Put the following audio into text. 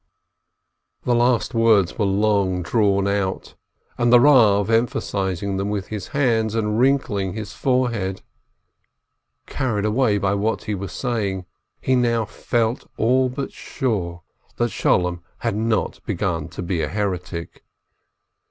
444 NAUMBEEG The last words were long drawn out, the Eav em phasizing them with his hands and wrinkling his fore head. Carried away by what he was saying, he now felt all but sure that Sholem had not begun to be a heretic.